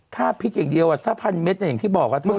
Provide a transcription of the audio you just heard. ค่าพริกอย่างเดียวถ้า๑๐๐๐เม็ดอย่างที่บอกว่าเท่าไหร่